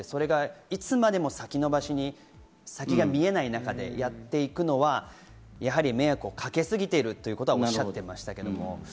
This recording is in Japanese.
いつまでも先延ばしに先が見えない中でやっていくのは迷惑をかけすぎているとおっしゃっていました。